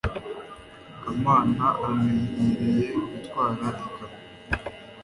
kamana amenyereye gutwara ikamyo